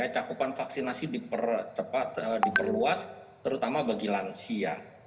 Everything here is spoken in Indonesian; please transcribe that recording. cakupan vaksinasi diperluas terutama bagi lansia